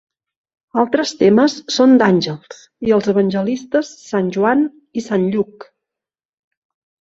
Altres temes són d'àngels i els evangelistes Sant Joan i Sant Lluc.